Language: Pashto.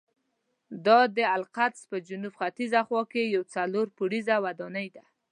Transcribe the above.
دا د القدس په جنوب ختیځه خوا کې یوه څلور پوړیزه ودانۍ ده.